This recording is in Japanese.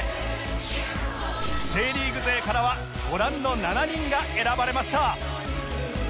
Ｊ リーグ勢からはご覧の７人が選ばれました